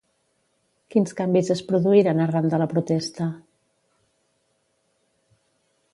Quins canvis es produïren arran de la protesta?